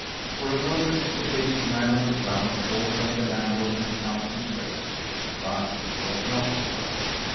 For a moment the dazed man on the ground thought that the landlord had come to his rescue, but it was not so.